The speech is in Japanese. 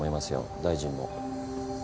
大臣も。